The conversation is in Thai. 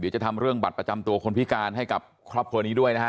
จะทำเรื่องบัตรประจำตัวคนพิการให้กับครอบครัวนี้ด้วยนะฮะ